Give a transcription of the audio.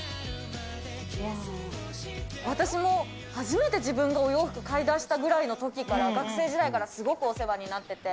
私も初めて自分がお洋服買いだしたぐらいのときから、学生時代からすごくお世話になってて。